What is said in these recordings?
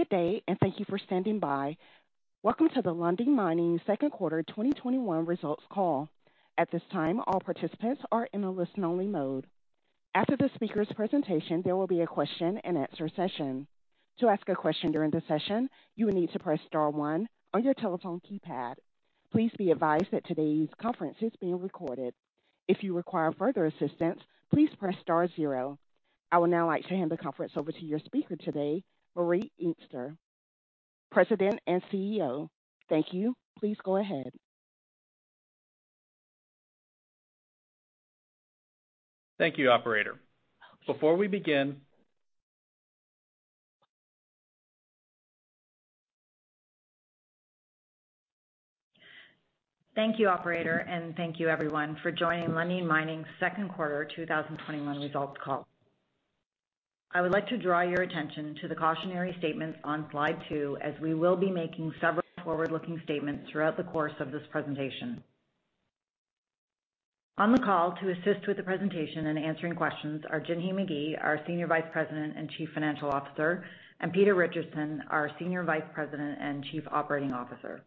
Good day, and thank you for standing by. Welcome to the Lundin Mining Q2 2021 Results Call. At this time, all participants are in a listen-only mode. After the speaker's presentation, there will be a question and answer session. To ask a question during the session, you will need to press star one on your telephone keypad. Please be advised that today's conference is being recorded. If you require further assistance, please press star zero. I would now like to hand the conference over to your speaker today, Marie Inkster, President and CEO. Thank you. Please go ahead. Thank you, operator. Before we begin- Thank you, operator, and thank you, everyone, for joining Lundin Mining's second quarter 2021 results call. I would like to draw your attention to the cautionary statements on slide 2, as we will be making several forward-looking statements throughout the course of this presentation. On the call to assist with the presentation and answering questions are Jinhee Magie, our Senior Vice President and Chief Financial Officer, and Peter Rockandel, our Senior Vice President and Chief Operating Officer.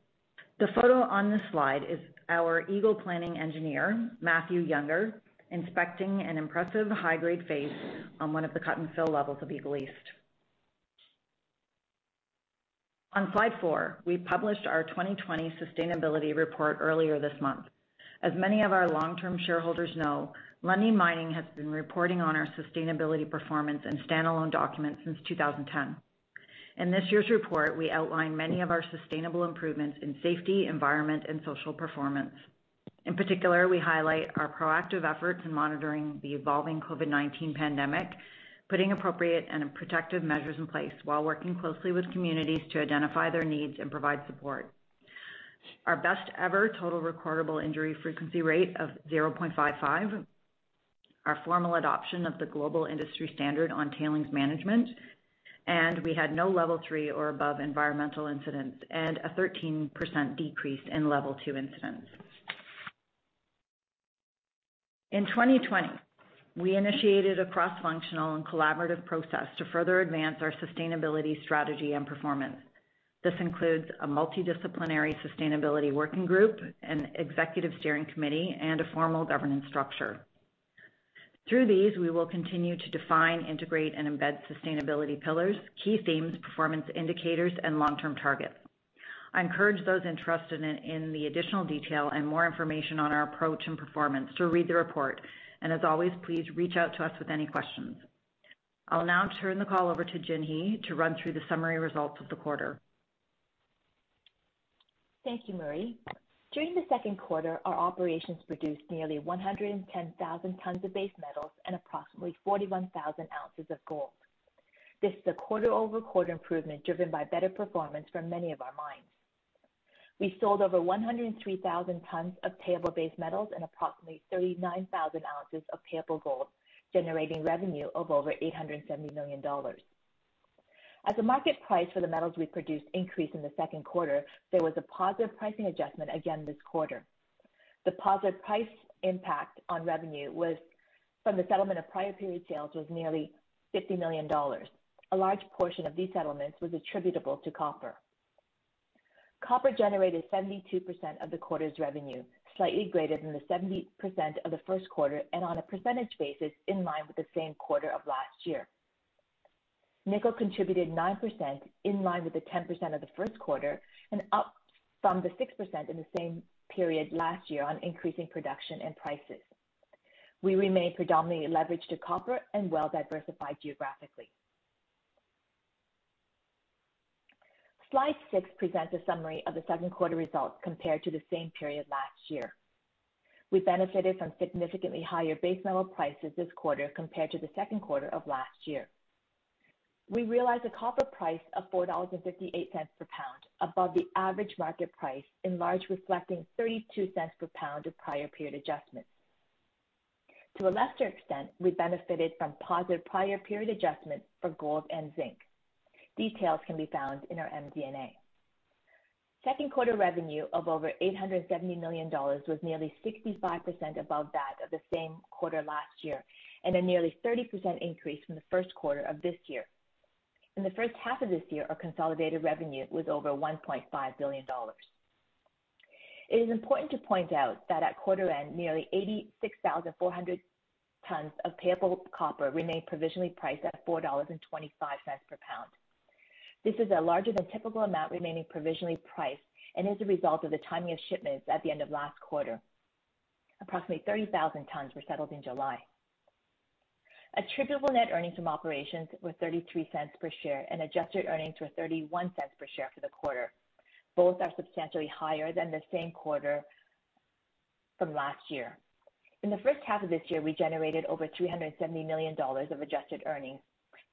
The photo on this slide is our Eagle planning engineer, Matthew Younger, inspecting an impressive high-grade face on one of the cut-and-fill levels of Eagle East. On slide 4, we published our 2020 sustainability report earlier this month. As many of our long-term shareholders know, Lundin Mining has been reporting on our sustainability performance in standalone documents since 2010. In this year's report, we outline many of our sustainable improvements in safety, environment, and social performance. In particular, we highlight our proactive efforts in monitoring the evolving COVID-19 pandemic, putting appropriate and protective measures in place while working closely with communities to identify their needs and provide support. Our best ever total recordable injury frequency rate of 0.55%, our formal adoption of the Global Industry Standard on Tailings Management, and we had no level 3 or above environmental incidents, and a 13% decrease in level 2 incidents. In 2020, we initiated a cross-functional and collaborative process to further advance our sustainability strategy and performance. This includes a multidisciplinary sustainability working group, an executive steering committee, and a formal governance structure. Through these, we will continue to define, integrate, and embed sustainability pillars, key themes, performance indicators, and long-term targets. I encourage those interested in the additional detail and more information on our approach and performance to read the report. As always, please reach out to us with any questions. I'll now turn the call over to Jinhee to run through the summary results of the quarter. Thank you, Marie. During the second quarter, our operations produced nearly 110,000 tonnes of base metals and approximately 41,000 ounces of gold. This is a quarter-over-quarter improvement driven by better performance from many of our mines. We sold over 103,000 tonnes of payable base metals and approximately 39,000 ounces of payable gold, generating revenue of over $870 million. As the market price for the metals we produced increased in the second quarter, there was a positive pricing adjustment again this quarter. The positive price impact on revenue from the settlement of prior period sales was nearly $50 million. A large portion of these settlements was attributable to copper. Copper generated 72% of the quarter's revenue, slightly greater than the 70% of the first quarter, and on a percentage basis, in line with the same quarter of last year. Nickel contributed 9%, in line with the 10% of the first quarter and up from the 6% in the same period last year on increasing production and prices. We remain predominantly leveraged to copper and well-diversified geographically. Slide 6 presents a summary of the second quarter results compared to the same period last year. We benefited from significantly higher base metal prices this quarter compared to the second quarter of last year. We realized a copper price of $4.58 per pound above the average market price, in large reflecting $0.32 per pound of prior period adjustments. To a lesser extent, we benefited from positive prior period adjustments for gold and zinc. Details can be found in our MD&A. Second quarter revenue of over $870 million was nearly 65% above that of the same quarter last year, and a nearly 30% increase from the first quarter of this year. In the first half of this year, our consolidated revenue was over $1.5 billion. It is important to point out that at quarter end, nearly 86,400 tonnes of payable copper remained provisionally priced at $4.25 per pound. This is a larger than typical amount remaining provisionally priced and is a result of the timing of shipments at the end of last quarter. Approximately 30,000 tonnes were settled in July. Attributable net earnings from operations were $0.33 per share and adjusted earnings were $0.31 per share for the quarter. Both are substantially higher than the same quarter from last year. In the first half of this year, we generated over $370 million of adjusted earnings.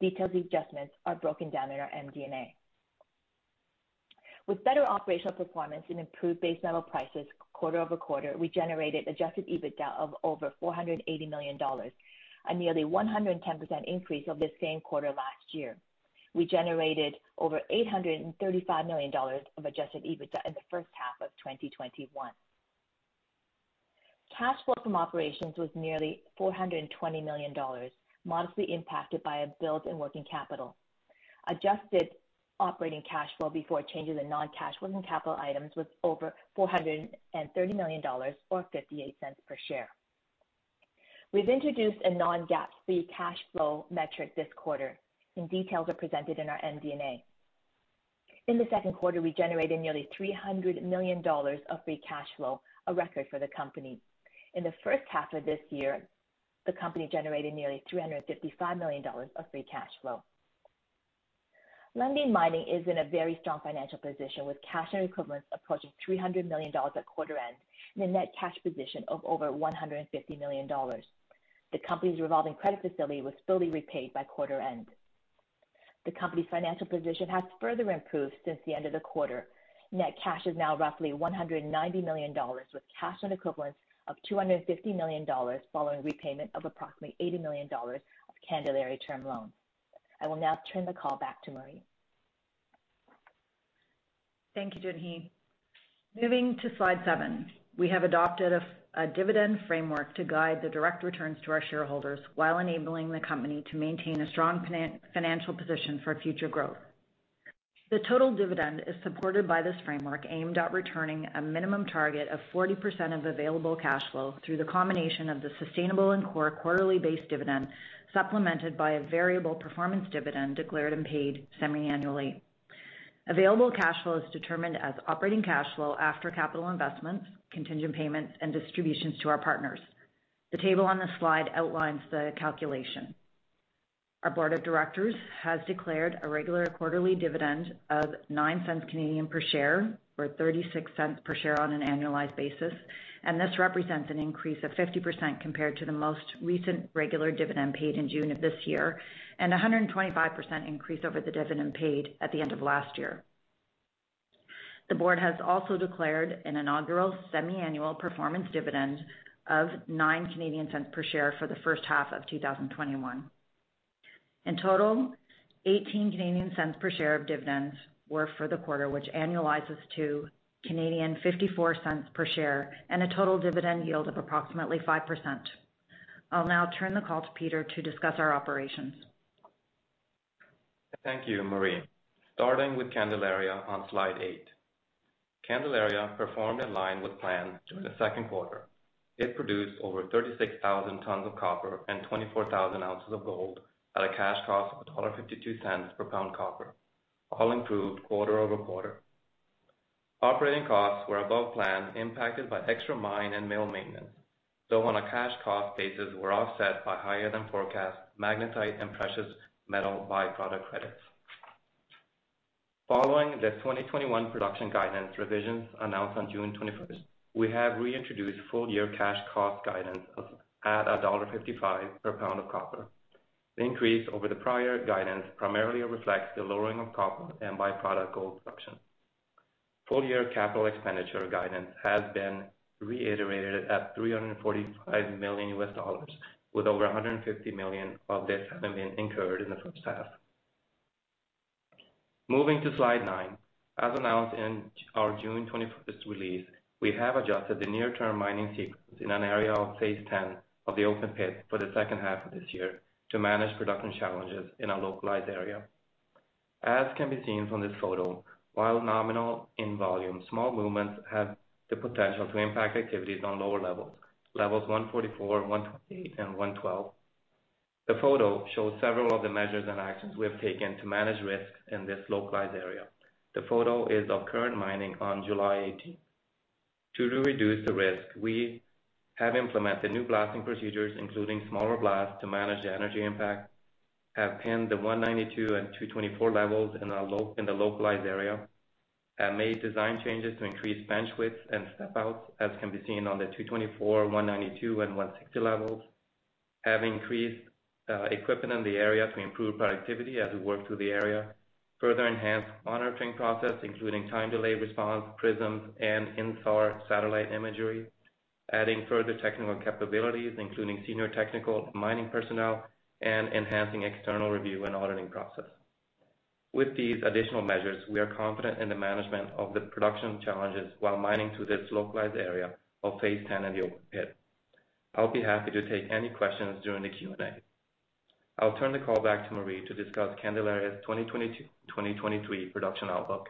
Detailed adjustments are broken down in our MD&A. With better operational performance and improved base metal prices quarter-over-quarter, we generated adjusted EBITDA of over $480 million, a nearly 110% increase over the same quarter last year. We generated over $835 million of adjusted EBITDA in the first half of 2021. Cash flow from operations was nearly $420 million, modestly impacted by a build in working capital. Adjusted operating cash flow before changes in non-cash working capital items was over $430 million or $0.58 per share. We've introduced a non-GAAP free cash flow metric this quarter, and details are presented in our MD&A. In the second quarter, we generated nearly $300 million of free cash flow, a record for the company. In the first half of this year, the company generated nearly $355 million of free cash flow. Lundin Mining is in a very strong financial position with cash and equivalents approaching $300 million at quarter end and a net cash position of over $150 million. The company's revolving credit facility was fully repaid by quarter end. The company's financial position has further improved since the end of the quarter. Net cash is now roughly $190 million, with cash and equivalents of $250 million following repayment of approximately $80 million of Candelaria term loans. I will now turn the call back to Marie. Thank you, Jinhee. Moving to slide 7. We have adopted a dividend framework to guide the direct returns to our shareholders while enabling the company to maintain a strong financial position for future growth. The total dividend is supported by this framework aimed at returning a minimum target of 40% of available cash flow through the combination of the sustainable and core quarterly-based dividend, supplemented by a variable performance dividend declared and paid semi-annually. Available cash flow is determined as operating cash flow after capital investments, contingent payments, and distributions to our partners. The table on this slide outlines the calculation. Our board of directors has declared a regular quarterly dividend of 0.09 per share, or 0.36 per share on an annualized basis. This represents an increase of 50% compared to the most recent regular dividend paid in June of this year, 125% increase over the dividend paid at the end of last year. The board has also declared an inaugural semi-annual performance dividend of 0.09 per share for the first half of 2021. In total, 0.18 per share of dividends were for the quarter, which annualizes to 0.54 per share and a total dividend yield of approximately 5%. I'll now turn the call to Peter to discuss our operations. Thank you, Marie. Starting with Candelaria on slide 8. Candelaria performed in line with plan during the second quarter. It produced over 36,000 tonnes of copper and 24,000 ounces of gold at a cash cost of $1.52 per pound copper, all improved quarter-over-quarter. Operating costs were above plan, impacted by extra mine and mill maintenance, though on a cash cost basis were offset by higher than forecast magnetite and precious metal by-product credits. Following the 2021 production guidance revisions announced on June 21st, we have reintroduced full-year cash cost guidance at $1.55 per pound of copper. The increase over the prior guidance primarily reflects the lowering of copper and by-product gold production. Full-year capital expenditure guidance has been reiterated at $345 million with over $150 million of this having been incurred in the first half. Moving to slide 9. As announced in our June 21st release, we have adjusted the near-term mining sequence in an area of Phase 10 of the open pit for the second half of this year to manage production challenges in a localized area. As can be seen from this photo, while nominal in volume, small movements have the potential to impact activities on lower levels 144, 128, and 112. The photo shows several of the measures and actions we have taken to manage risk in this localized area. The photo is of current mining on July 18th. To reduce the risk, we have implemented new blasting procedures, including smaller blasts to manage the energy impact, have pinned the 192 and 224 levels in the localized area, and made design changes to increase bench widths and step outs, as can be seen on the 224, 192, and 160 levels. Have increased equipment in the area to improve productivity as we work through the area. Further enhanced monitoring process, including time delay response, prisms, and InSAR satellite imagery. Adding further technical capabilities, including senior technical mining personnel, and enhancing external review and auditing process. With these additional measures, we are confident in the management of the production challenges while mining to this localized area of Phase 10 in the open pit. I'll be happy to take any questions during the Q&A. I'll turn the call back to Marie to discuss Candelaria's 2022, 2023 production outlook.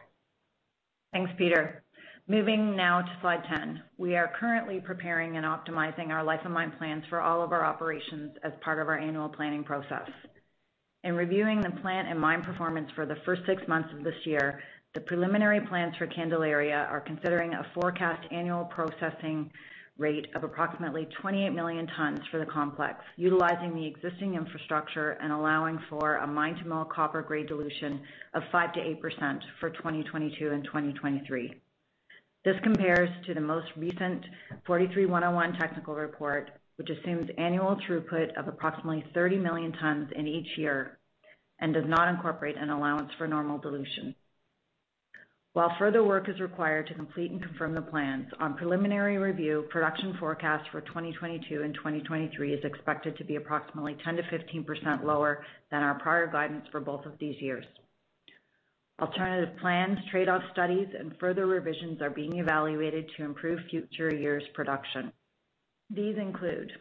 Thanks, Peter. Moving now to slide 10. We are currently preparing and optimizing our life of mine plans for all of our operations as part of our annual planning process. In reviewing the plant and mine performance for the first six months of this year, the preliminary plans for Candelaria are considering a forecast annual processing rate of approximately 28 million tonnes for the complex, utilizing the existing infrastructure and allowing for a mine-to-mill copper grade dilution of 5%-8% for 2022 and 2023. This compares to the most recent 43-101 technical report, which assumes annual throughput of approximately 30 million tonnes in each year and does not incorporate an allowance for normal dilution. While further work is required to complete and confirm the plans, on preliminary review, production forecast for 2022 and 2023 is expected to be approximately 10%-15% lower than our prior guidance for both of these years. Alternative plans, trade-off studies, and further revisions are being evaluated to improve future years' production. These include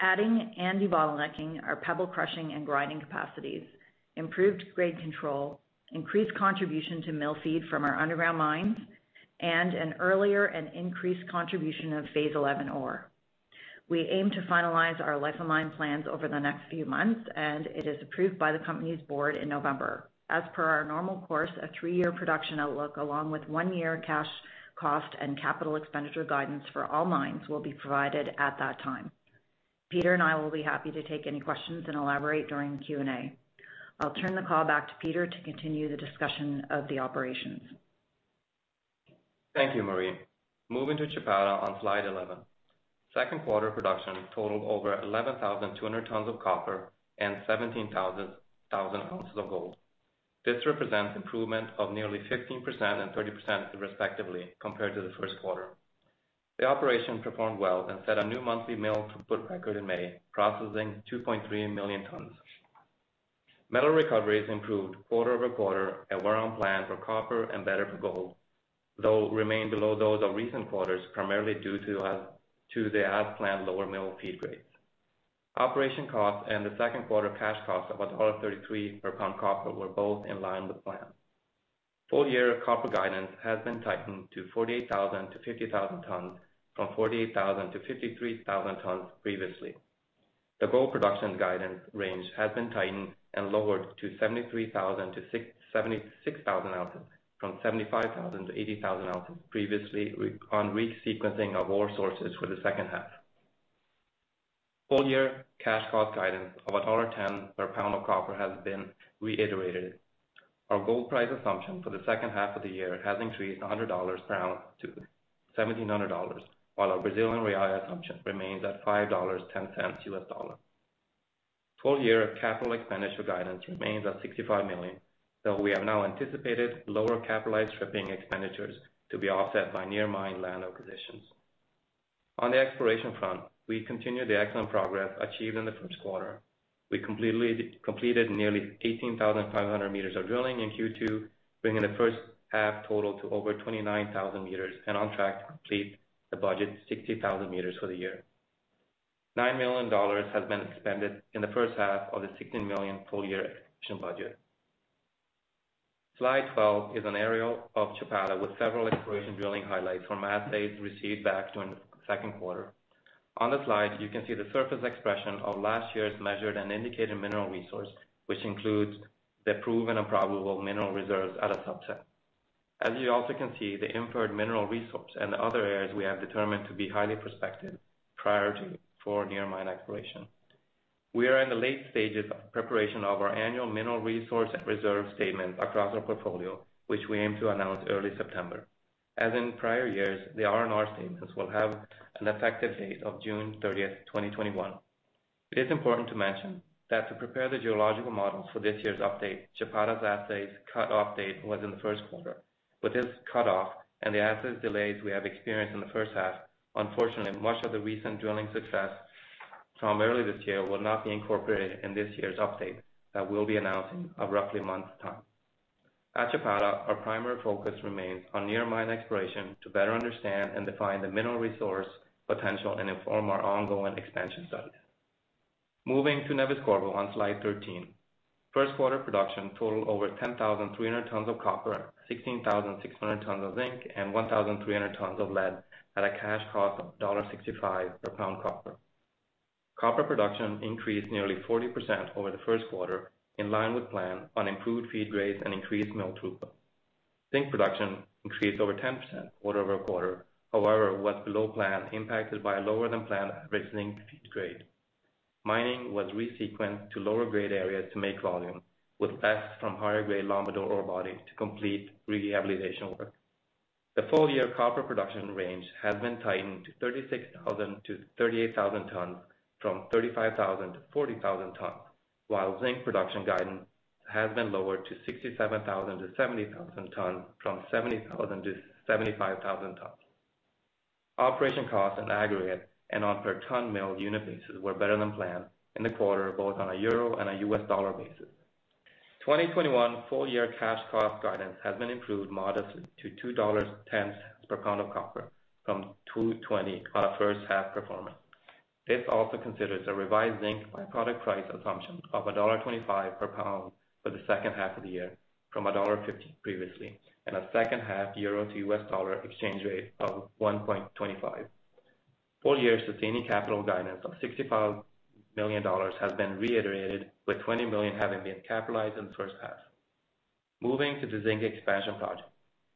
adding and de-bottlenecking our pebble crushing and grinding capacities, improved grade control, increased contribution to mill feed from our underground mines, and an earlier and increased contribution of Phase 11 ore. We aim to finalize our life of mine plans over the next few months, and it is approved by the company's board in November. As per our normal course, a three-year production outlook, along with one-year cash cost and capital expenditure guidance for all mines, will be provided at that time. Peter and I will be happy to take any questions and elaborate during the Q&A. I'll turn the call back to Peter to continue the discussion of the operations. Thank you, Marie. Moving to Chapada on slide 11. Second quarter production totaled over 11,200 tons of copper and 17,000 ounces of gold. This represents improvement of nearly 15% and 30% respectively compared to the first quarter. The operation performed well and set a new monthly mill throughput record in May, processing 2.3 million tons. Metal recoveries improved quarter-over-quarter and were on plan for copper and better for gold, though remained below those of recent quarters primarily due to the as planned lower mill feed grades. Operation costs and the second quarter cash costs of $1.33 per pound copper were both in line with plan. Full year copper guidance has been tightened to 48,000-50,000 tons, from 48,000-53,000 tons previously. The gold production guidance range has been tightened and lowered to 73,000-76,000 ounces from 75,000-80,000 ounces previously on resequencing of ore sources for the second half. Full year cash cost guidance of $1.10 per pound of copper has been reiterated. Our gold price assumption for the second half of the year has increased $100 an ounce to $1,700, while our Brazilian real assumption remains at $5.10. Full year capital expenditure guidance remains at $65 million, though we have now anticipated lower capitalized stripping expenditures to be offset by near mine land acquisitions. On the exploration front, we continue the excellent progress achieved in the first quarter. We completed nearly 18,500 meters of drilling in Q2, bringing the first half total to over 29,000 meters and on track to complete the budget 60,000 meters for the year. $9 million has been expended in the first half of the $16 million full year exploration budget. Slide 12 is an aerial of Chapada with several exploration drilling highlights from assays received back during the second quarter. On the slide, you can see the surface expression of last year's measured and indicated mineral resource, which includes the proven and probable mineral reserves at a subset. As you also can see, the inferred mineral resource and the other areas we have determined to be highly prospective priority for near mine exploration. We are in the late stages of preparation of our annual mineral resource and reserve statement across our portfolio, which we aim to announce early September. As in prior years, the R&R statements will have an effective date of June 30th, 2021. It is important to mention that to prepare the geological models for this year's update, Chapada's assays cut-off date was in the first quarter. With this cut off and the assay delays we have experienced in the first half, unfortunately, much of the recent drilling success from early this year will not be incorporated in this year's update that we'll be announcing in roughly a month's time. At Chapada, our primary focus remains on near mine exploration to better understand and define the mineral resource potential and inform our ongoing expansion studies. Moving to Neves-Corvo on slide 13. First quarter production totaled over 10,300 tons of copper, 16,600 tons of zinc, and 1,300 tons of lead at a cash cost of $1.65 per pound copper. Copper production increased nearly 40% over the first quarter in line with plan on improved feed grades and increased mill throughput. Zinc production increased over 10% quarter-over-quarter, however, was below plan impacted by lower than planned zinc feed grade. Mining was resequenced to lower grade areas to make volume, with access from higher grade Lombador ore body to complete rehabilitation work. The full-year copper production range has been tightened to 36,000-38,000 tons from 35,000-40,000 tons, while zinc production guidance has been lowered to 67,000-70,000 tons from 70,000-75,000 tons. Operation costs in aggregate and on per ton mill unit basis were better than planned in the quarter, both on a euro and a U.S. dollar basis. 2021 full year cash cost guidance has been improved modestly to $2.10 per pound of copper from $2.20 on our first half performance. This also considers a revised zinc by-product price assumption of $1.25 per pound for the second half of the year from $1.50 previously, and a second half euro to U.S. dollar exchange rate of $1.25. Full year sustaining capital guidance of $65 million has been reiterated, with $20 million having been capitalized in the first half. Moving to the zinc expansion project.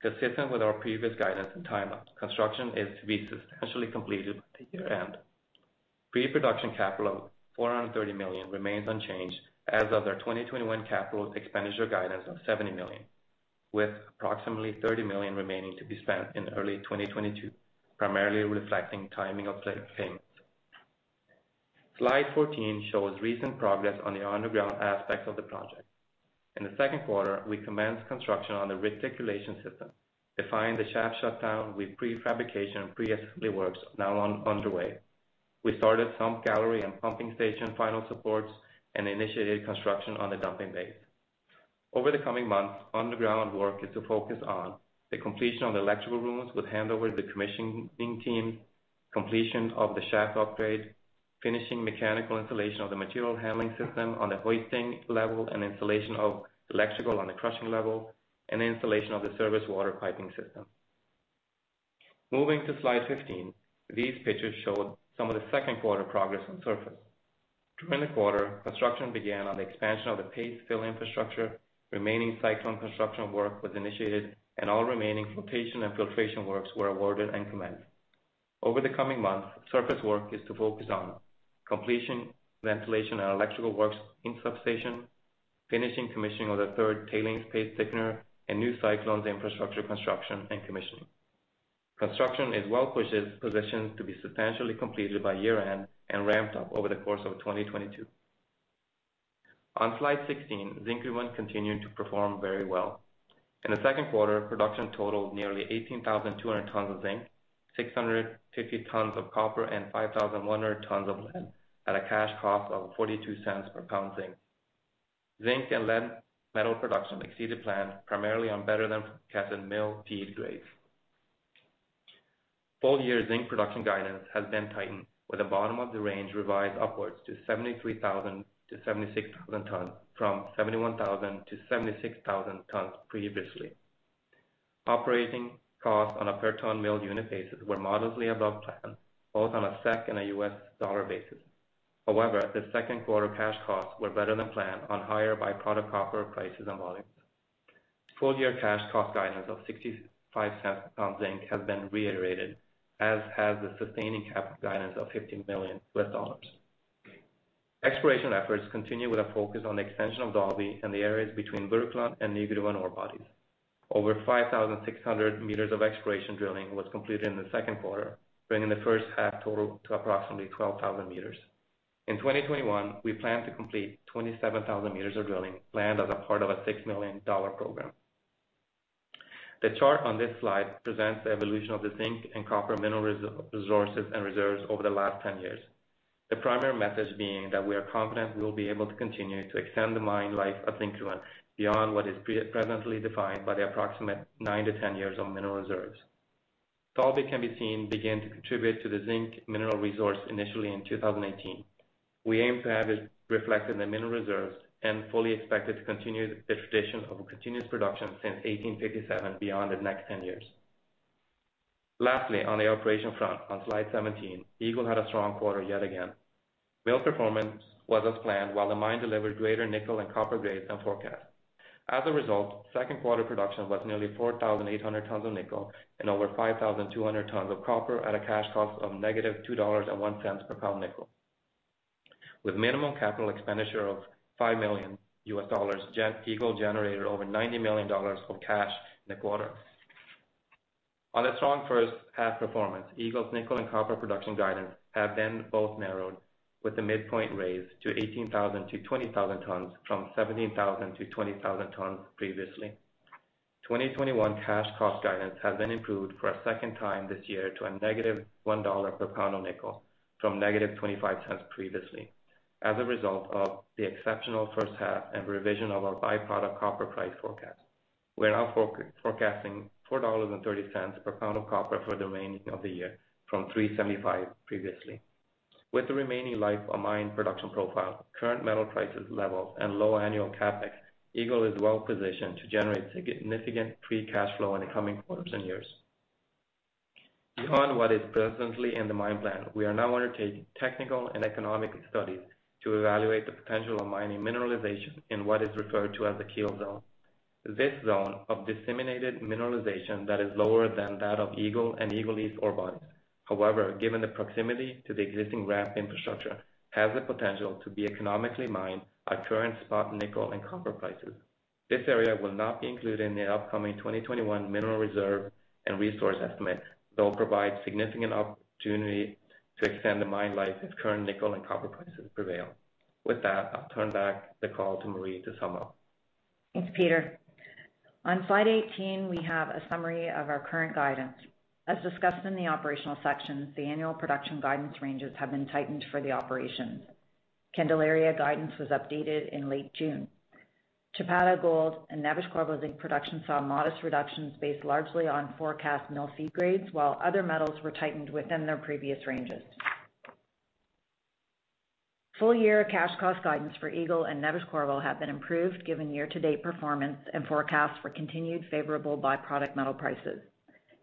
Consistent with our previous guidance and timeline, construction is to be substantially completed by the year-end. Pre-production capital of $430 million remains unchanged as of their 2021 capital expenditure guidance of $70 million, with approximately $30 million remaining to be spent in early 2022, primarily reflecting timing of payments. Slide 14 shows recent progress on the underground aspects of the project. In the second quarter, we commenced construction on the reticulation system, defined the shaft shutdown with prefabrication and preassembly works now underway. We started some gallery and pumping station final supports and initiated construction on the dumping bays. Over the coming months, underground work is to focus on the completion of the electrical rooms with handover to the commissioning team, completion of the shaft upgrade, finishing mechanical installation of the material handling system on the hoisting level, and installation of electrical on the crushing level, and installation of the service water piping system. Moving to slide 15, these pictures show some of the second quarter progress on surface. During the quarter, construction began on the expansion of the paste fill infrastructure, remaining cyclone construction work was initiated, and all remaining flotation and filtration works were awarded and commenced. Over the coming months, surface work is to focus on completion, ventilation, and electrical works in substation, finishing commissioning of the third tailings paste thickener, and new cyclones infrastructure construction and commissioning. Construction is well-positioned to be substantially completed by year-end and ramped up over the course of 2022. On slide 16, Zinkgruvan continued to perform very well. In Q2, production totaled nearly 18,200 tons of zinc, 650 tons of copper, and 5,100 tons of lead at a cash cost of $0.42 per pound zinc. Zinc and lead metal production exceeded plan primarily on better than 4% mill feed grades. Full year zinc production guidance has been tightened, with the bottom of the range revised upwards to 73,000-76,000 tons, from 71,000-76,000 tons previously. Operating costs on a per-ton-mill unit basis were modestly above plan, both on a SEK and a U.S. dollar basis. However, the second quarter cash costs were better than planned on higher by-product copper prices and volumes. Full year cash cost guidance of $0.65 per pound zinc has been reiterated, as has the sustaining CapEx guidance of $50 million. Exploration efforts continue with a focus on the extension of Dalby in the areas between Burkland and the Nygruvan ore bodies. Over 5,600 meters of exploration drilling was completed in the second quarter, bringing the first half total to approximately 12,000 meters. In 2021, we plan to complete 27,000 meters of drilling planned as a part of a $6 million program. The chart on this slide presents the evolution of the zinc and copper mineral resources and reserves over the last 10 years. The primary message being that we are confident we will be able to continue to extend the mine life of Zinkgruvan beyond what is presently defined by the approximate nine to 10 years of mineral reserves. Dalby can be seen began to contribute to the zinc mineral resource initially in 2018. We aim to have it reflected in the mineral reserves and fully expect it to continue the tradition of a continuous production since 1857, beyond the next 10 years. Lastly, on the operation front, on slide 17, Eagle had a strong quarter yet again. Mill performance was as planned, while the mine delivered greater nickel and copper grades than forecast. As a result, second quarter production was nearly 4,800 tons of nickel and over 5,200 tons of copper at a cash cost of -$2.01 per pound nickel. With minimum capital expenditure of $5 million, Eagle generated over $90 million of cash in the quarter. On a strong first half performance, Eagle's nickel and copper production guidance have been both narrowed with the midpoint raised to 18,000-20,000 tons, from 17,000-20,000 tons previously. 2021 cash cost guidance has been improved for a second time this year to a -$1 per pound on nickel, from -$0.25 previously, as a result of the exceptional first half and revision of our by-product copper price forecast. We're now forecasting $4.30 per pound of copper for the remaining of the year, from $3.75 previously. With the remaining life of mine production profile, current metal prices levels, and low annual CapEx, Eagle is well positioned to generate significant free cash flow in the coming quarters and years. Beyond what is presently in the mine plan, we are now undertaking technical and economic studies to evaluate the potential of mining mineralization in what is referred to as the Keel Zone. This zone of disseminated mineralization that is lower than that of Eagle and Eagle East ore bodies, given the proximity to the existing ramp infrastructure, has the potential to be economically mined at current spot nickel and copper prices. This area will not be included in the upcoming 2021 mineral reserve and resource estimate, though provide significant opportunity to extend the mine life if current nickel and copper prices prevail. With that, I'll turn back the call to Marie to sum up. Thanks, Peter. On slide 18, we have a summary of our current guidance. As discussed in the operational sections, the annual production guidance ranges have been tightened for the operations. Candelaria guidance was updated in late June. Chapada Gold and Neves-Corvo zinc production saw modest reductions based largely on forecast mill feed grades, while other metals were tightened within their previous ranges. Full-year cash cost guidance for Eagle and Neves-Corvo have been improved given year-to-date performance and forecasts for continued favorable by-product metal prices.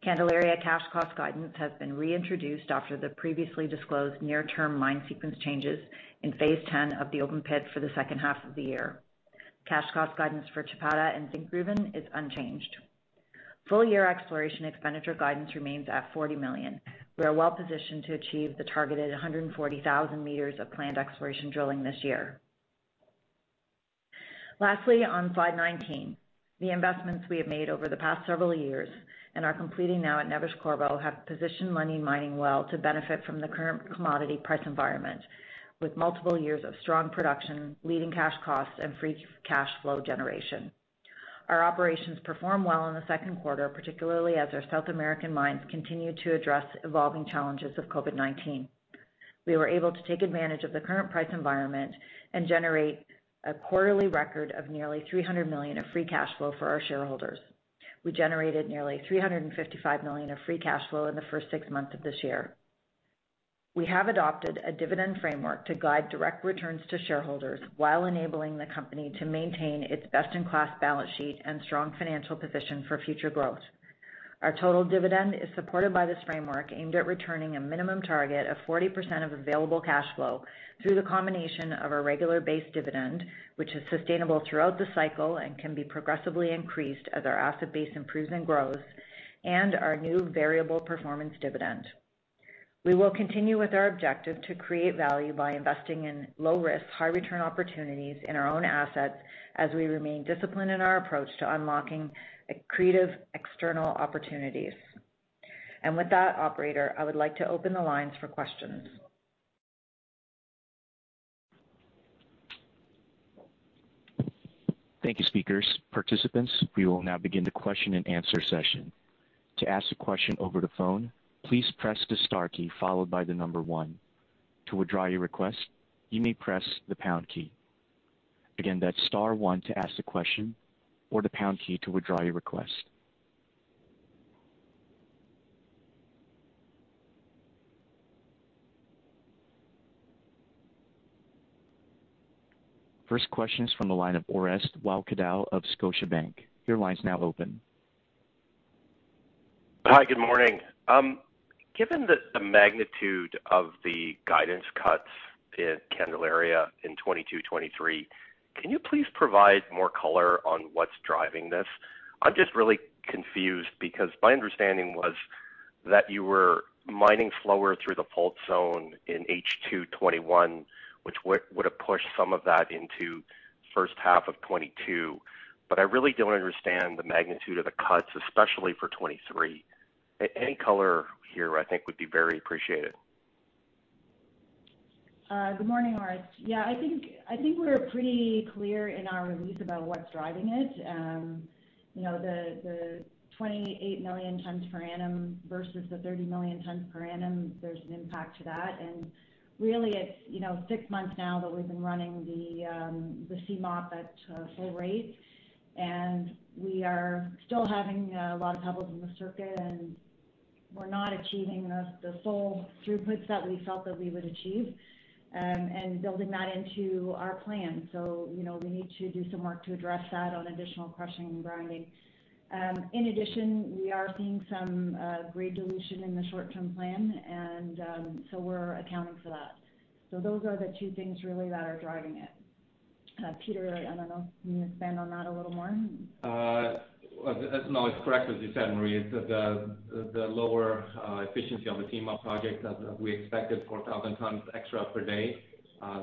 Candelaria cash cost guidance has been reintroduced after the previously disclosed near-term mine sequence changes in Phase 10 of the open pit for the second half of the year. Cash cost guidance for Chapada and Zinkgruvan is unchanged. Full-year exploration expenditure guidance remains at $40 million. We are well positioned to achieve the targeted 140,000 meters of planned exploration drilling this year. Lastly, on slide 19. The investments we have made over the past several years and are completing now at Neves-Corvo have positioned Lundin Mining well to benefit from the current commodity price environment with multiple years of strong production, leading cash costs, and free cash flow generation. Our operations performed well in the second quarter, particularly as our South American mines continued to address evolving challenges of COVID-19. We were able to take advantage of the current price environment and generate a quarterly record of nearly $300 million of free cash flow for our shareholders. We generated nearly $355 million of free cash flow in the first six months of this year. We have adopted a dividend framework to guide direct returns to shareholders while enabling the company to maintain its best-in-class balance sheet and strong financial position for future growth. Our total dividend is supported by this framework aimed at returning a minimum target of 40% of available cash flow through the combination of our regular base dividend, which is sustainable throughout the cycle and can be progressively increased as our asset base improves and grows, and our new variable performance dividend. We will continue with our objective to create value by investing in low risk, high return opportunities in our own assets as we remain disciplined in our approach to unlocking accretive external opportunities. With that, operator, I would like to open the lines for questions. Thank you, speakers. Participants, we will now begin the question and answer session. To ask a question over the phone, please press the star key, followed by the number one. To withdraw your request, you may press the pound key. Again, that's star one to ask the question, or the pound key to withdraw your request. First question is from the line of Orest Wowkodaw of Scotiabank. Your line's now open. Hi, good morning. Given the magnitude of the guidance cuts in Candelaria in 2022, 2023, can you please provide more color on what's driving this? I'm just really confused because my understanding was that you were mining slower through the fault zone in H2 2021, which would have pushed some of that into first half of 2022. I really don't understand the magnitude of the cuts, especially for 2023. Any color here, I think, would be very appreciated. Good morning, Orest. Yeah, I think we're pretty clear in our release about what's driving it. The 28 million tons per annum versus the 30 million tons per annum, there's an impact to that. Really, it's six months now that we've been running the C-mill at full rate, and we are still having a lot of troubles in the circuit, and we're not achieving the full throughputs that we felt that we would achieve and building that into our plan. We need to do some work to address that on additional crushing and grinding. In addition, we are seeing some grade dilution in the short-term plan and so we're accounting for that. Those are the two things really that are driving it. Peter, I don't know, you want to expand on that a little more? No, it's correct what you said, Marie. The lower efficiency on the C-mill project as we expected 4,000 tons extra per day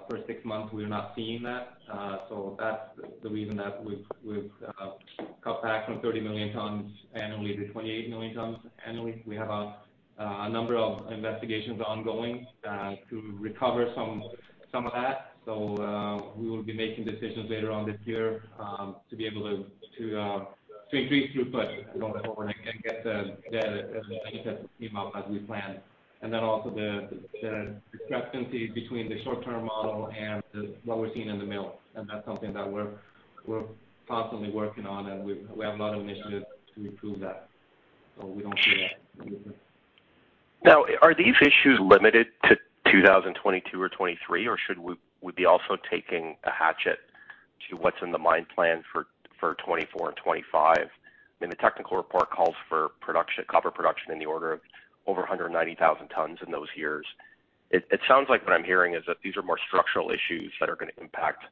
for six months, we're not seeing that. That's the reason that we've cut back from 30 million tons annually to 28 million tons annually. We will be making decisions later on this year to be able to increase throughput going forward and get the benefit of C-mill as we planned. Also the discrepancy between the short-term model and what we're seeing in the mill, and that's something that we're constantly working on, and we have a lot of initiatives to improve that. We don't see that. Are these issues limited to 2022 or 2023, or should we be also taking a hatchet to what's in the mine plan for 2024 and 2025? I mean, the technical report calls for copper production in the order of over 190,000 tons in those years. It sounds like what I'm hearing is that these are more structural issues that are going to impact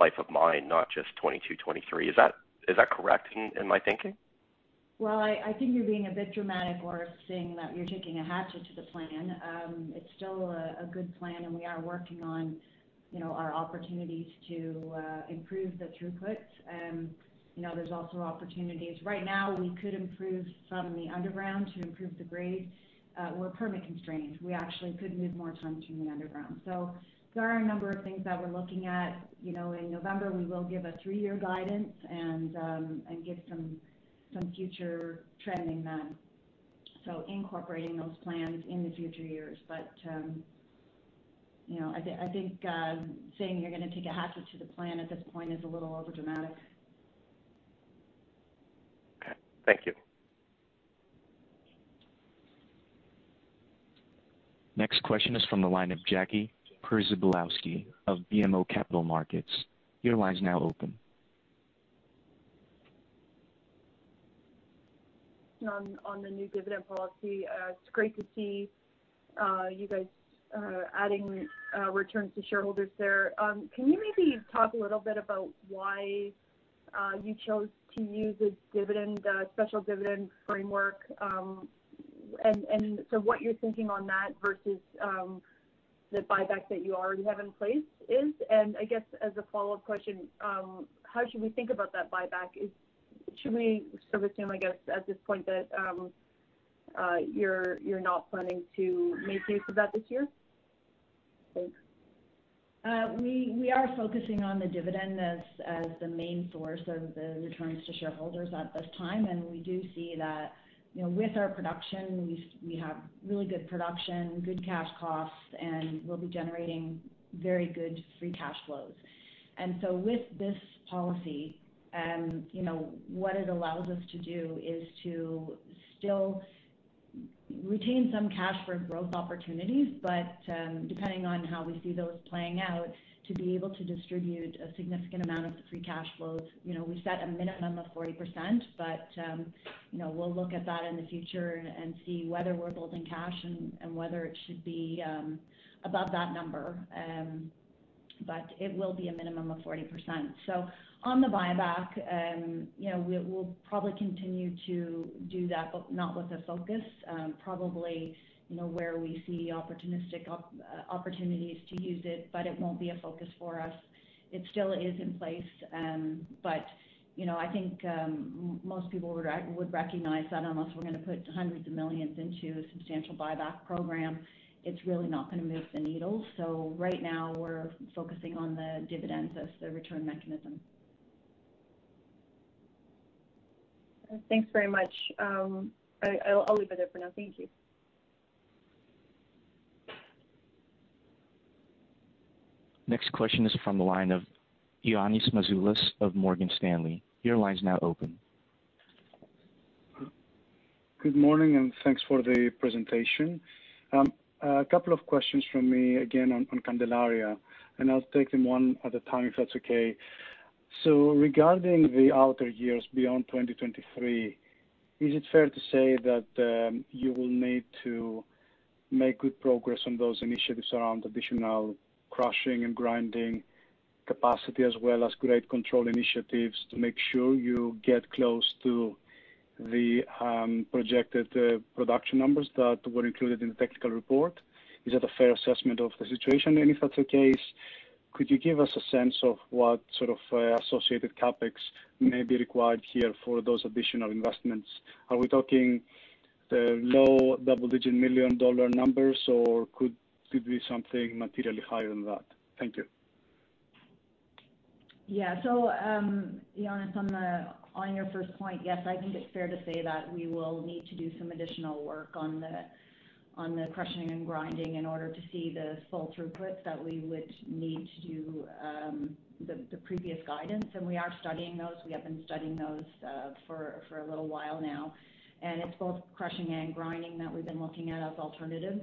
life of mine, not just 2022, 2023. Is that correct in my thinking? I think you're being a bit dramatic, Orest, saying that you're taking a hatchet to the plan. It's still a good plan, and we are working on our opportunities to improve the throughput. There's also opportunities. Right now, we could improve some in the underground to improve the grade. We're permit constrained. We actually could move more tons from the underground. There are a number of things that we're looking at. In November, we will give a three-year guidance and give some future trending then, so incorporating those plans in the future years. I think saying you're going to take a hatchet to the plan at this point is a little overdramatic. Okay. Thank you. Next question is from the line of Jackie Przybylowski of BMO Capital Markets. Your line's now open. On the new dividend policy, it's great to see you guys adding returns to shareholders there. Can you maybe talk a little bit about why you chose to use a special dividend framework, and so what you're thinking on that versus the buyback that you already have in place is? I guess as a follow-up question, how should we think about that buyback? Should we sort of assume, I guess, at this point that you're not planning to make use of that this year? We are focusing on the dividend as the main source of the returns to shareholders at this time, and we do see that with our production, we have really good production, good cash costs, and we'll be generating very good free cash flows. With this policy, what it allows us to do is to still retain some cash for growth opportunities, but, depending on how we see those playing out, to be able to distribute a significant amount of the free cash flows. We set a minimum of 40%, but we'll look at that in the future and see whether we're holding cash and whether it should be above that number. It will be a minimum of 40%. On the buyback, we'll probably continue to do that, but not with a focus. Probably where we see opportunities to use it, but it won't be a focus for us. It still is in place, but I think most people would recognize that unless we're going to put hundreds of millions into a substantial buyback program, it's really not going to move the needle. Right now, we're focusing on the dividends as the return mechanism. Thanks very much. I will leave it there for now. Thank you. Next question is from the line of Ioannis Masvoulas of Morgan Stanley. Your line's now open. Good morning, and thanks for the presentation. A couple of questions from me, again, on Candelaria, and I'll take them one at a time, if that's okay. Regarding the outer years beyond 2023, is it fair to say that you will need to make good progress on those initiatives around additional crushing and grinding capacity, as well as grade control initiatives, to make sure you get close to the projected production numbers that were included in the technical report? Is that a fair assessment of the situation? If that's the case, could you give us a sense of what sort of associated CapEx may be required here for those additional investments? Are we talking low double-digit million dollar numbers, or could be something materially higher than that? Thank you. Yeah. Ioannis, on your first point, yes, I think it's fair to say that we will need to do some additional work on the crushing and grinding in order to see the full throughputs that we would need to do the previous guidance. We are studying those. We have been studying those for a little while now. It's both crushing and grinding that we've been looking at as alternatives.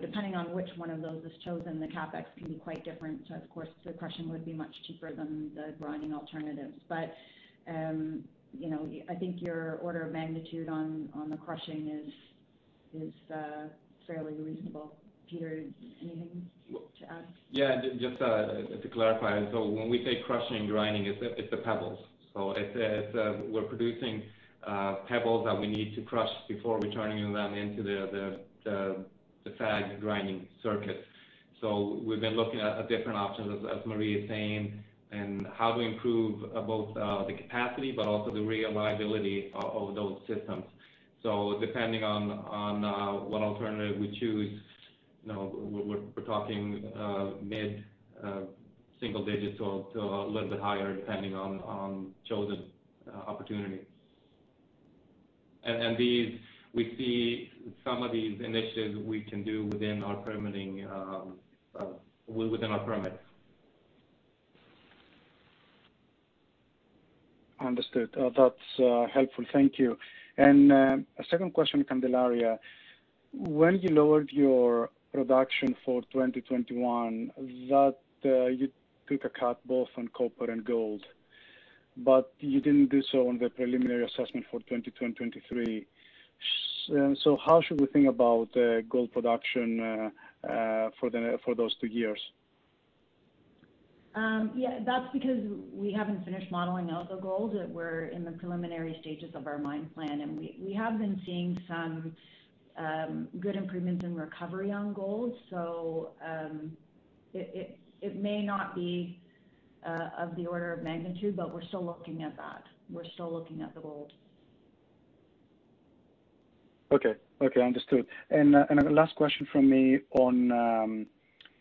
Depending on which one of those is chosen, the CapEx can be quite different. Of course, the crushing would be much cheaper than the grinding alternatives. I think your order of magnitude on the crushing is fairly reasonable. Peter, anything to add? Just to clarify. When we say crushing and grinding, it's the pebbles. We're producing pebbles that we need to crush before returning them into the SAG grinding circuit. We've been looking at different options, as Marie is saying, and how to improve both the capacity but also the reliability of those systems. Depending on what alternative we choose, we're talking mid-single digits to a little bit higher, depending on chosen opportunity. We see some of these initiatives we can do within our permits. Understood. That's helpful. Thank you. A second question, Candelaria. When you lowered your production for 2021, you took a cut both on copper and gold, but you didn't do so on the preliminary assessment for 2023. How should we think about gold production for those two years? That's because we haven't finished modeling out the gold. We're in the preliminary stages of our mine plan, and we have been seeing some good improvements in recovery on gold. It may not be of the order of magnitude, but we're still looking at that. We're still looking at the gold. Okay. Understood. A last question from me on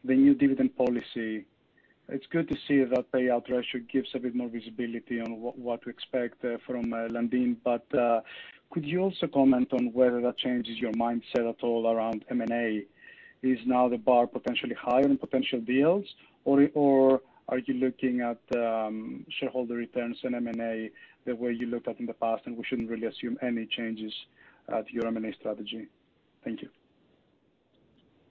the new dividend policy. It is good to see that payout ratio gives a bit more visibility on what to expect from Lundin. Could you also comment on whether that changes your mindset at all around M&A? Is now the bar potentially higher on potential deals, or are you looking at shareholder returns and M&A the way you looked at in the past and we shouldn't really assume any changes to your M&A strategy? Thank you.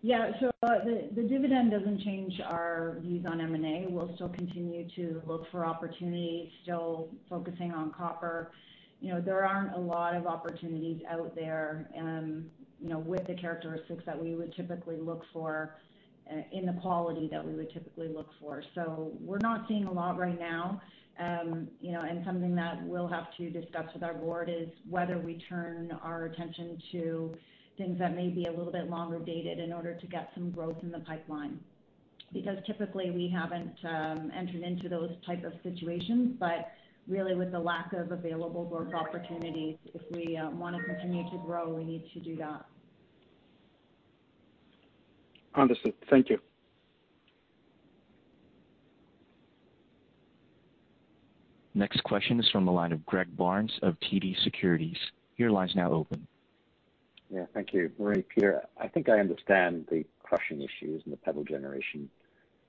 The dividend doesn't change our views on M&A. We'll still continue to look for opportunities, still focusing on copper. There aren't a lot of opportunities out there with the characteristics that we would typically look for, in the quality that we would typically look for. We're not seeing a lot right now. Something that we'll have to discuss with our board is whether we turn our attention to things that may be a little bit longer dated in order to get some growth in the pipeline. Because typically we haven't entered into those type of situations, but really with the lack of available work opportunities, if we want to continue to grow, we need to do that. Understood. Thank you. Next question is from the line of Greg Barnes of TD Securities. Your line's now open. Yeah, thank you. Marie, Peter, I think I understand the crushing issues and the pebble generation.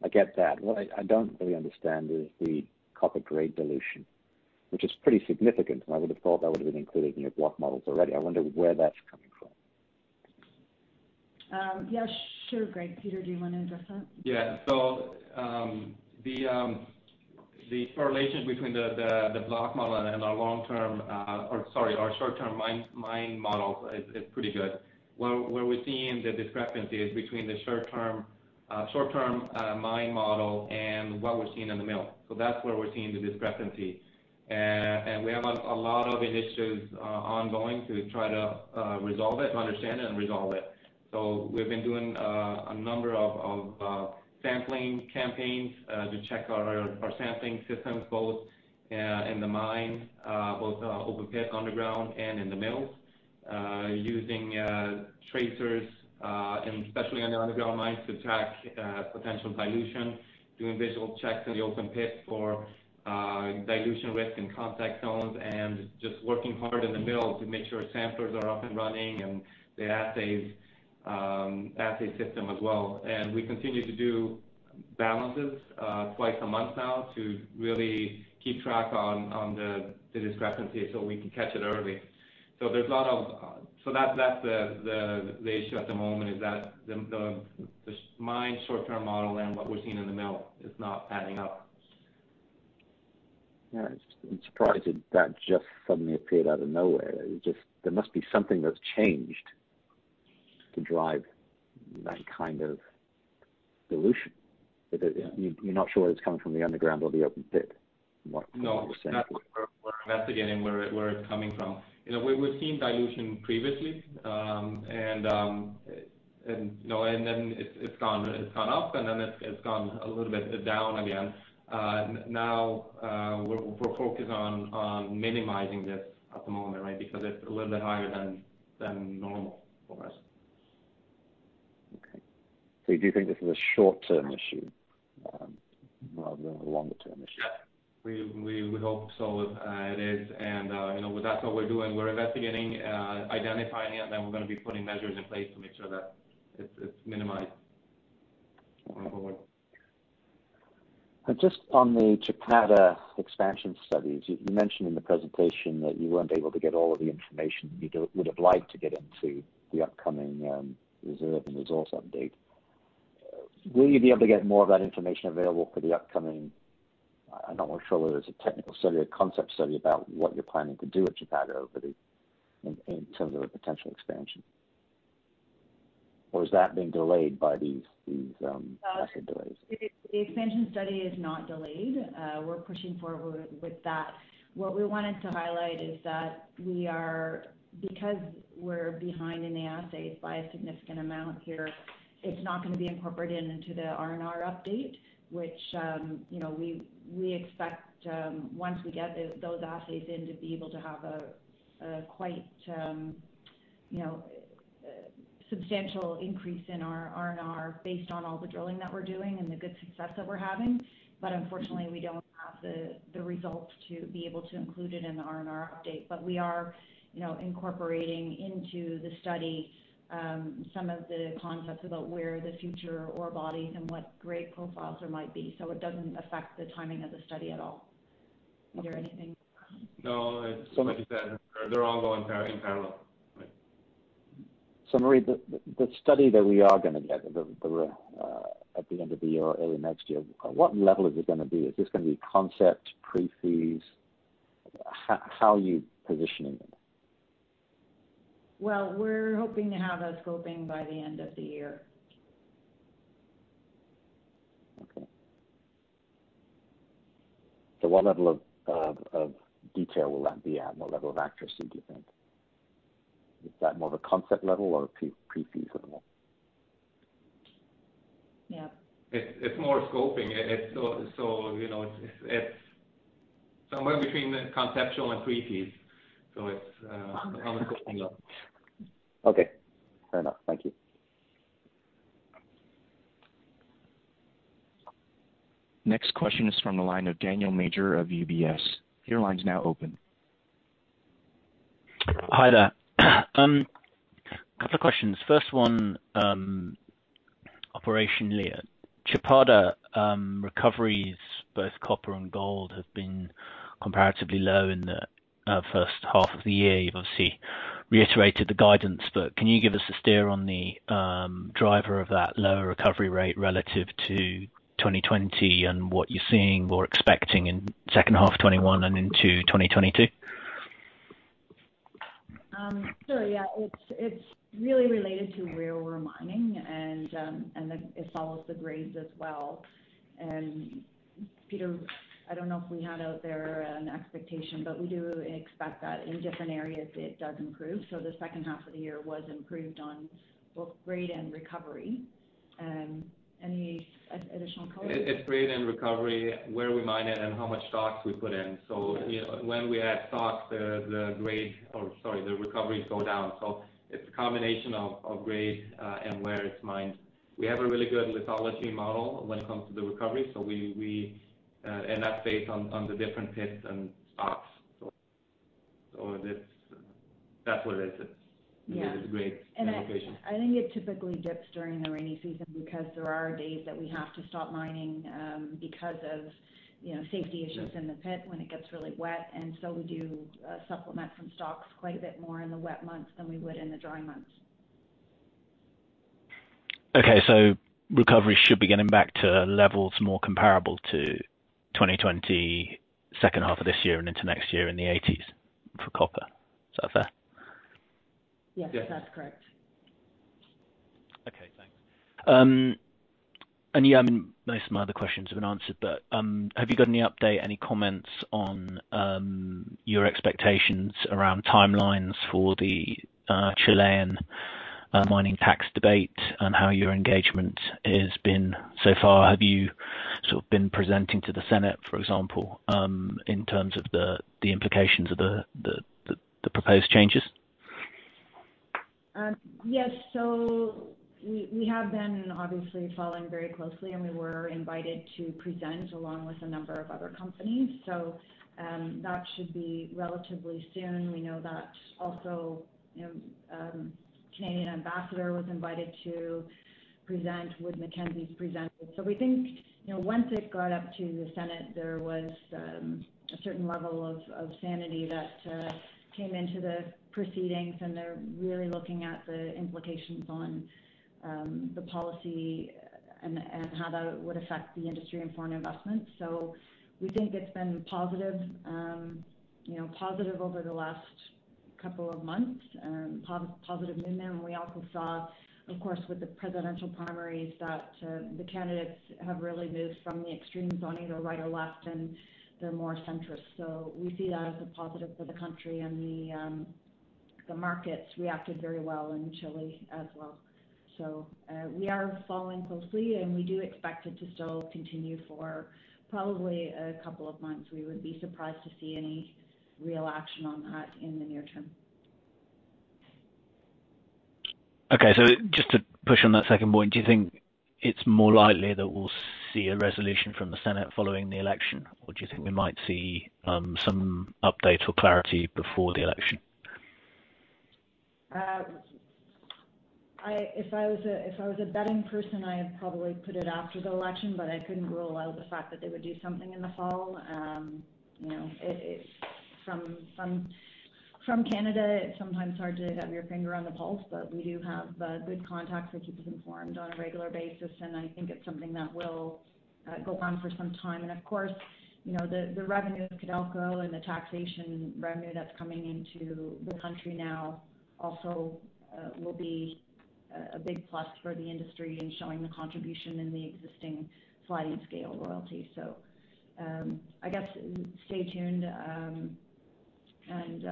I get that. What I don't really understand is the copper grade dilution, which is pretty significant, and I would've thought that would've been included in your block models already. I wonder where that's coming from. Yeah, sure, Greg. Peter, do you want to address that? Yeah. The correlation between the block model and our short-term mine model is pretty good. Where we're seeing the discrepancy is between the short-term mine model and what we're seeing in the mill. That's where we're seeing the discrepancy. We have a lot of initiatives ongoing to try to understand it and resolve it. We've been doing a number of sampling campaigns to check our sampling systems, both in the mine, both open-pit, underground, and in the mills, using tracers, and especially on the underground mines to track potential dilution, doing visual checks in the open-pit for dilution risk and contact zones, and just working hard in the mill to make sure samplers are up and running and the assay system as well. We continue to do balances twice a month now to really keep track on the discrepancy so we can catch it early. That's the issue at the moment, is that the mine short-term model and what we're seeing in the mill is not adding up. Yeah. It is surprising that just suddenly appeared out of nowhere. There must be something that has changed to drive that kind of dilution. You are not sure whether it is coming from the underground or the open pit from what you are saying. No. We're investigating where it's coming from. We've seen dilution previously, and then it's gone up and then it's gone a little bit down again. Now, we're focused on minimizing this at the moment, because it's a little bit higher than normal for us. Okay. You do think this is a short-term issue rather than a longer-term issue? We hope so. It is, and that's what we're doing. We're investigating, identifying it, and then we're going to be putting measures in place to make sure that it's minimized going forward. Just on the Chapada expansion studies, you mentioned in the presentation that you weren't able to get all of the information you would've liked to get into the upcoming reserve and resource update. Will you be able to get more of that information available for the upcoming, I'm not really sure whether it's a technical study or concept study, about what you're planning to do at Chapada in terms of a potential expansion? Or has that been delayed by these massive delays? The expansion study is not delayed. We're pushing forward with that. What we wanted to highlight is that because we're behind in the assays by a significant amount here, it's not going to be incorporated into the R&R update, which we expect once we get those assays in to be able to have a quite substantial increase in our R&R based on all the drilling that we're doing and the good success that we're having. Unfortunately, we don't have the results to be able to include it in the R&R update. We are incorporating into the study some of the concepts about where the future ore bodies and what grade profiles there might be. It doesn't affect the timing of the study at all. Is there anything No. Like you said, they're ongoing in parallel. Marie, the study that we are going to get at the end of the year or early next year, what level is it going to be? Is this going to be concept, pre-feas? How are you positioning it? Well, we're hoping to have a scoping by the end of the year. Okay. What level of detail will that be at? What level of accuracy do you think? Is that more of a concept level or pre-feas level? Yeah. It's more scoping. It's somewhere between conceptual and pre-feas. On the scoping level. Okay. Fair enough. Thank you. Next question is from the line of Daniel Major of UBS. Your line's now open. Hi there. A couple of questions. First one, operationally at Chapada, recoveries, both copper and gold, have been comparatively low in the first half of the year. You've obviously reiterated the guidance, but can you give us a steer on the driver of that lower recovery rate relative to 2020 and what you're seeing or expecting in second half 2021 and into 2022? Sure. Yeah. It's really related to where we're mining and it follows the grades as well. Peter, I don't know if we had out there an expectation, but we do expect that in different areas it does improve. The second half of the year was improved on both grade and recovery. Any additional color? It's grade and recovery, where we mine it and how much stocks we put in. When we add stocks, the recovery go down. It's a combination of grade, and where it's mined. We have a really good lithology model when it comes to the recovery and that's based on the different pits and stocks. That's what it is. Yeah. It's grade. I think it typically dips during the rainy season because there are days that we have to stop mining, because of safety issues in the pit when it gets really wet. We do supplement from stocks quite a bit more in the wet months than we would in the dry months. Okay, recovery should be getting back to levels more comparable to 2020, second half of this year and into next year in the 80s for copper. Is that fair? Yes, that's correct. Yes. Okay, thanks. Yeah, most of my other questions have been answered but, have you got any update, any comments on your expectations around timelines for the Chilean mining tax debate and how your engagement has been so far? Have you sort of been presenting to the Senate, for example, in terms of the implications of the proposed changes? Yes, we have been obviously following very closely and we were invited to present along with a number of other companies. That should be relatively soon. We know that also Canadian ambassador was invited to present with Mackenzie's presented. We think, once it got up to the Senate there was a certain level of sanity that came into the proceedings and they're really looking at the implications on the policy and how that would affect the industry and foreign investment. We think it's been positive over the last couple of months, positive movement. We also saw, of course, with the presidential primaries that the candidates have really moved from the extremes on either right or left, and they're more centrist. We see that as a positive for the country and the markets reacted very well in Chile as well. We are following closely and we do expect it to still continue for probably a couple of months. We would be surprised to see any real action on that in the near term. Okay. Just to push on that second point, do you think it's more likely that we'll see a resolution from the Senate following the election, or do you think we might see some update or clarity before the election? If I was a betting person, I'd probably put it after the election, but I couldn't rule out the fact that they would do something in the fall. From Canada, it's sometimes hard to have your finger on the pulse, but we do have good contacts that keep us informed on a regular basis, and I think it's something that will go on for some time. Of course, the revenue Codelco and the taxation revenue that's coming into the country now also will be a big plus for the industry in showing the contribution in the existing sliding scale royalty. I guess stay tuned, and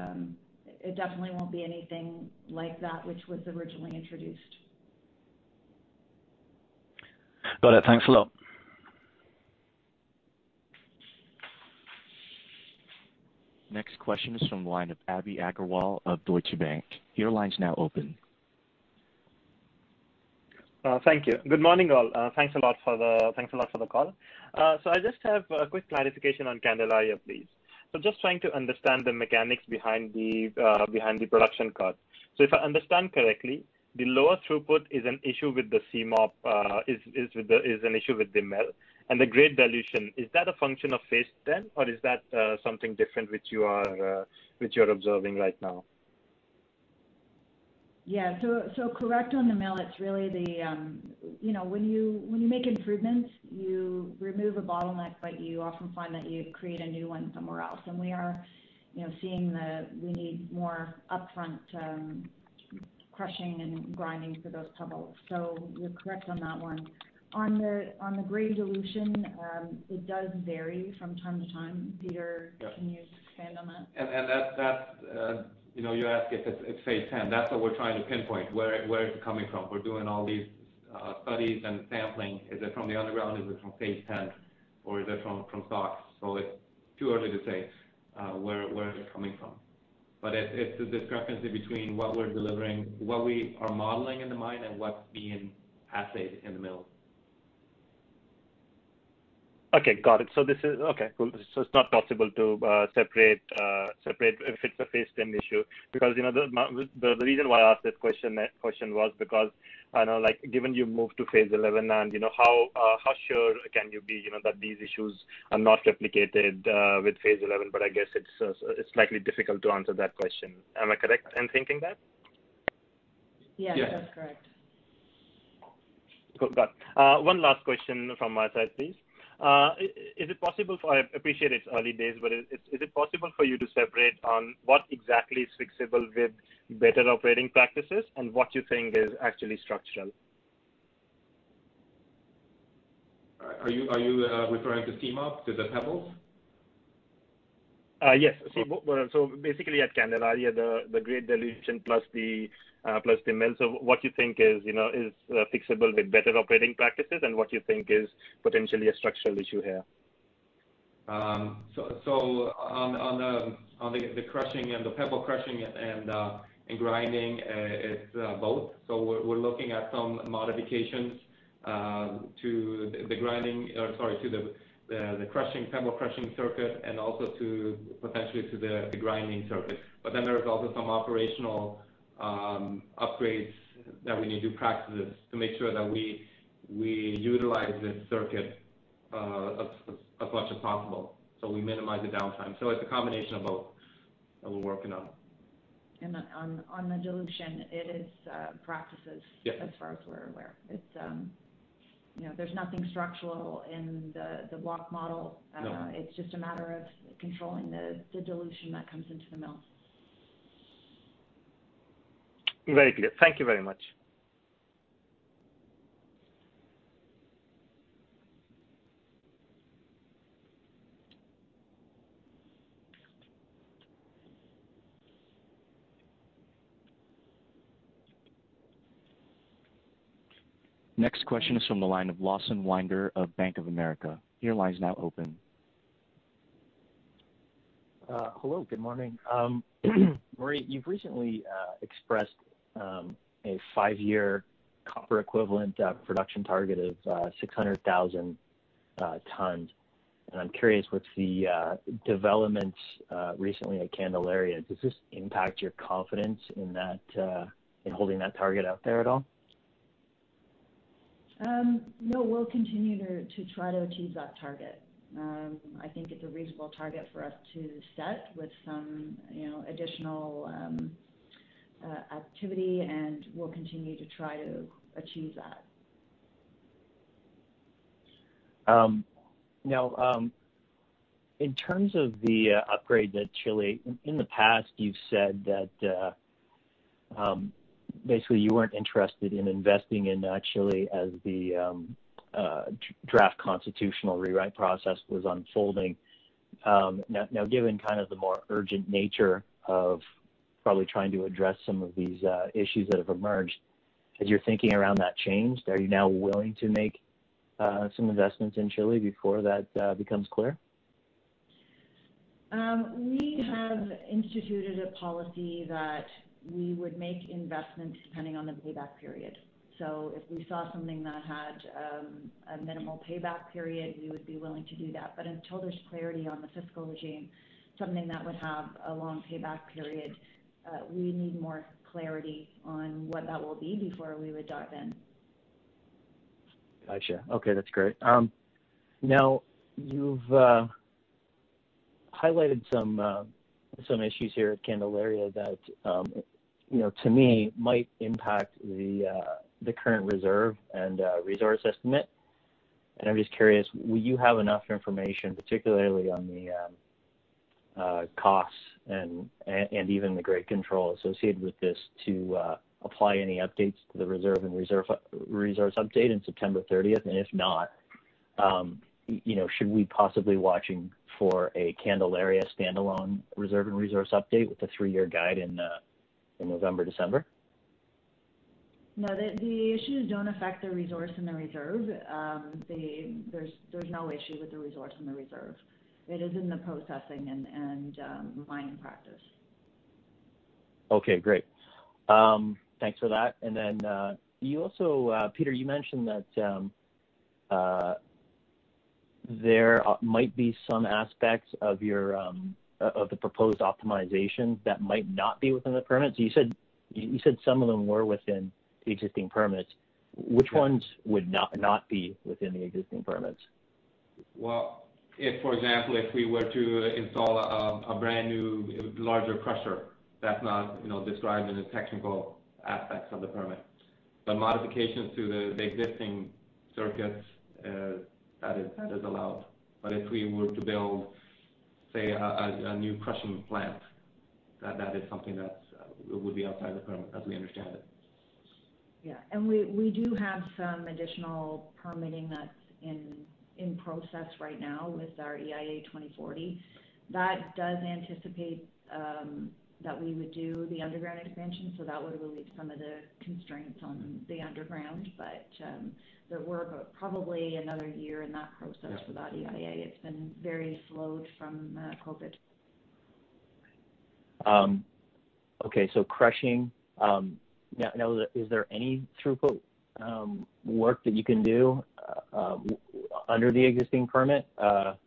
it definitely won't be anything like that which was originally introduced. Got it. Thanks a lot. Next question is from the line of Abhi Agarwal of Deutsche Bank. Your line's now open. Thank you. Good morning all. Thanks a lot for the call. I just have a quick clarification on Candelaria, please. Just trying to understand the mechanics behind the production cuts. If I understand correctly, the lower throughput is an issue with the C-mill, is an issue with the mill. The grade dilution, is that a function of Phase 10 or is that something different which you're observing right now? Yeah. Correct on the mill. It's really when you make improvements, you remove a bottleneck, you often find that you create a new one somewhere else. We are seeing that we need more upfront crushing and grinding for those pebbles. You're correct on that one. On the grade dilution, it does vary from time to time. Yeah. Peter, can you expand on that? You ask if it's Phase 10. That's what we're trying to pinpoint. Where is it coming from? We're doing all these studies and sampling. Is it from the underground? Is it from Phase 10 or is it from stocks? It's too early to say where it is coming from. It's a discrepancy between what we're delivering, what we are modeling in the mine and what's being assayed in the mill. Okay. Got it. It's not possible to separate if it's a Phase 10 issue because the reason why I asked that question was because I know given you moved to Phase 11, how sure can you be that these issues are not replicated with Phase 11? I guess it's likely difficult to answer that question. Am I correct in thinking that? Yes, that's correct. Yes. Good. Got it. One last question from my side, please. I appreciate it's early days, but is it possible for you to separate on what exactly is fixable with better operating practices and what you think is actually structural? Are you referring to C-mill, to the pebbles? Yes. Basically at Candelaria, the grade dilution plus the mill. What you think is fixable with better operating practices, and what you think is potentially a structural issue here? On the pebble crushing and grinding, it's both. We're looking at some modifications to the pebble crushing circuit and also potentially to the grinding circuit. There is also some operational upgrades that we need to do, practices, to make sure that we utilize this circuit as much as possible, so we minimize the downtime. It's a combination of both that we're working on. On the dilution, it is practices. Yes. As far as we're aware. There's nothing structural in the block model. No. It's just a matter of controlling the dilution that comes into the mill. Very clear. Thank you very much. Next question is from the line of Lawson Winder of Bank of America. Your line is now open. Hello, good morning. Marie, you've recently expressed a five-year copper equivalent production target of 600,000 tons. I'm curious, with the developments recently at Candelaria, does this impact your confidence in holding that target out there at all? We'll continue to try to achieve that target. I think it's a reasonable target for us to set with some additional activity, and we'll continue to try to achieve that. Now, in terms of the upgrade to Chile, in the past, you've said that basically you weren't interested in investing in Chile as the draft constitutional rewrite process was unfolding. Now, given the more urgent nature of probably trying to address some of these issues that have emerged, has your thinking around that changed? Are you now willing to make some investments in Chile before that becomes clear? We have instituted a policy that we would make investments depending on the payback period. If we saw something that had a minimal payback period, we would be willing to do that. Until there's clarity on the fiscal regime, something that would have a long payback period, we need more clarity on what that will be before we would dive in. Got you. Okay, that's great. Now, you've highlighted some issues here at Candelaria that, to me, might impact the current reserve and resource estimate. I'm just curious, will you have enough information, particularly on the costs and even the grade control associated with this, to apply any updates to the reserve and resource update in September 30th? If not, should we possibly watching for a Candelaria standalone reserve and resource update with the three-year guide in November, December? No. The issues don't affect the resource and the reserve. There's no issue with the resource and the reserve. It is in the processing and mining practice. Okay, great. Thanks for that. Peter, you mentioned that there might be some aspects of the proposed optimization that might not be within the permit. You said some of them were within the existing permits. Which ones would not be within the existing permits? Well, if, for example, if we were to install a brand-new larger crusher, that's not described in the technical aspects of the permit. The modifications to the existing circuits, that is allowed. If we were to build, say, a new crushing plant, that is something that would be outside the permit as we understand it. Yeah. We do have some additional permitting that's in process right now with our EIA 2040. That does anticipate that we would do the underground expansion, so that would relieve some of the constraints on the underground. There were probably another year in that process- Yeah. ...with that EIA. It's been very slowed from COVID. Crushing. Now, is there any throughput work that you can do under the existing permit? Anything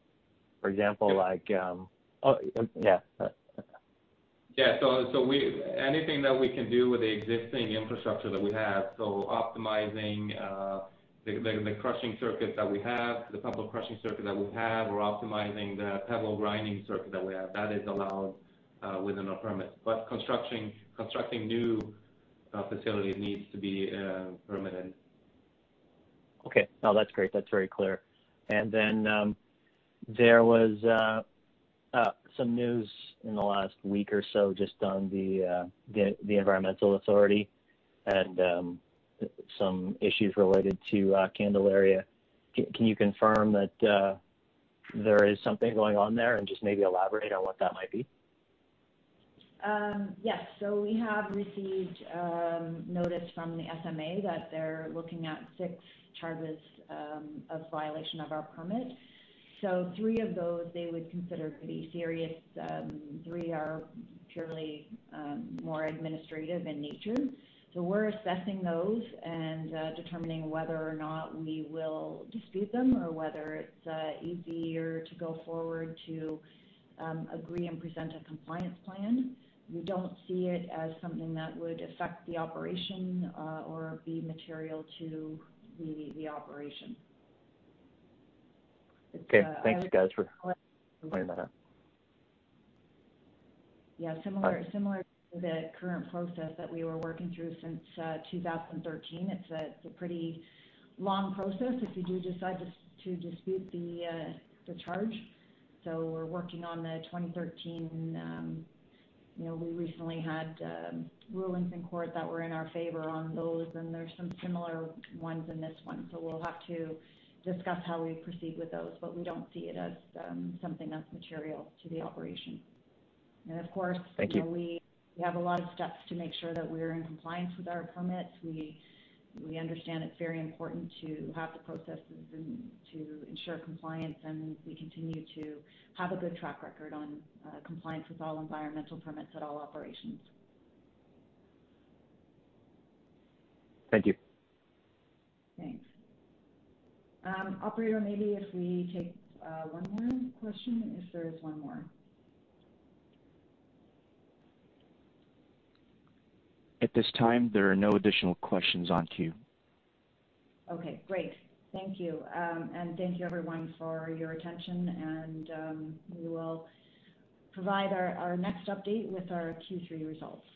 that we can do with the existing infrastructure that we have. Optimizing the crushing circuit that we have, the pebble crushing circuit that we have, or optimizing the pebble grinding circuit that we have. That is allowed within our permit. Constructing new facilities needs to be permitted. Okay. No, that's great. That's very clear. Then, there was some news in the last week or so just on the environmental authority and some issues related to Candelaria. Can you confirm that there is something going on there, and just maybe elaborate on what that might be? Yes. We have received notice from the SMA that they're looking at six charges of violation of our permit. Three of those they would consider pretty serious, three are purely more administrative in nature. We're assessing those and determining whether or not we will dispute them or whether it's easier to go forward to agree and present a compliance plan. We don't see it as something that would affect the operation or be material to the operation. Okay. Thanks, guys, for pointing that out. Yeah. Similar to the current process that we were working through since 2013, it's a pretty long process if you do decide to dispute the charge. We're working on the 2013. We recently had rulings in court that were in our favor on those, and there's some similar ones in this one. We'll have to discuss how we proceed with those, but we don't see it as something that's material to the operation. Thank you. We have a lot of steps to make sure that we're in compliance with our permits. We understand it's very important to have the processes and to ensure compliance, and we continue to have a good track record on compliance with all environmental permits at all operations. Thank you. Thanks. Operator, maybe if we take one more question, if there is one more. At this time, there are no additional questions on queue. Okay, great. Thank you. Thank you, everyone, for your attention, and we will provide our next update with our Q3 results.